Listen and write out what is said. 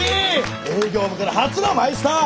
営業部から初のマイスター！